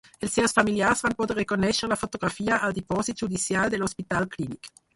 Els seus familiars van poder reconèixer la fotografia al Dipòsit Judicial de l’Hospital Clínic.